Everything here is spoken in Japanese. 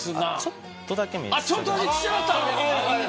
ちょっとだけちっちゃなった。